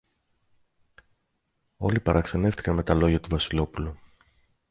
Όλοι παραξενεύθηκαν με τα λόγια του Βασιλόπουλου.